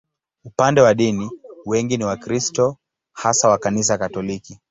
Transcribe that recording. Upande wa dini, wengi ni Wakristo, hasa wa Kanisa Katoliki.